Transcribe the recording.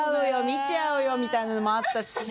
見ちゃうよみたいなのもあったし。